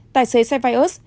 tài xế sevaeus